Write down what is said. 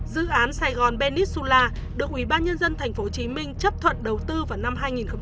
dự án sài gòn benisula được ủy ban nhân dân tp hcm chấp thuận đầu tư vào năm hai nghìn bảy